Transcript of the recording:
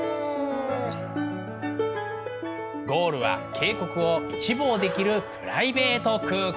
ゴールは渓谷を一望できるプライベート空間。